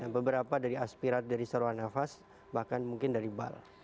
beberapa dari aspirat dari saluran nafas bahkan mungkin dari bal